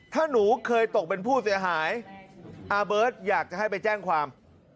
ถ้าหนูเคยตกเป็นผู้เสียหายอาเบิร์ตอยากจะให้ไปแจ้งความ